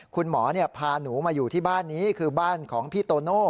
คุณหมอพาหนูมาอยู่ที่บ้านนี้คือบ้านของพี่โตโน่